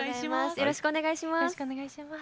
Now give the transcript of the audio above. よろしくお願いします。